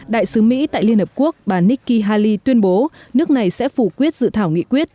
đại sứ mỹ tại liên hợp quốc bà nikki haley tuyên bố nước này sẽ phủ quyết dự thảo nghị quyết